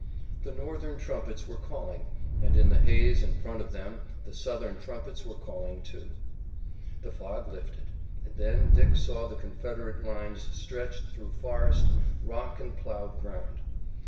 The Northern trumpets were calling, and in the haze in front of them the Southern trumpets were calling, too. The fog lifted, and then Dick saw the Confederate lines stretched through forest, rock and ploughed ground.